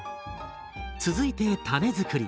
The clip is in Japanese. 続いてタネ作り。